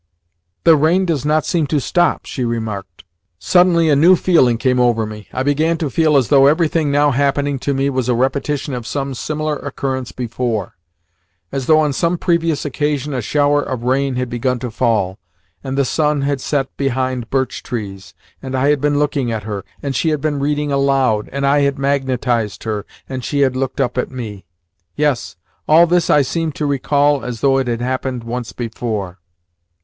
"The rain does not seem to stop," she remarked. Suddenly a new feeling came over me. I began to feel as though everything now happening to me was a repetition of some similar occurrence before as though on some previous occasion a shower of rain had begun to fall, and the sun had set behind birch trees, and I had been looking at her, and she had been reading aloud, and I had magnetised her, and she had looked up at me. Yes, all this I seemed to recall as though it had happened once before.